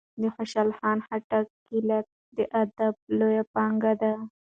د خوشال خان خټک کلیات د ادب لویه پانګه ده.